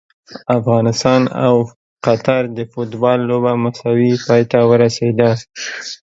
افغانستان او قطر د فوټبال لوبه مساوي پای ته ورسیده!